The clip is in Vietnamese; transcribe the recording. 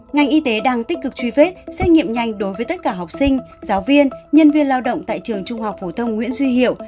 ngành y tế đang tích cực truy vết xét nghiệm nhanh đối với tất cả học sinh giáo viên nhân viên lao động tại trường trung học phổ thông nguyễn duy hiệu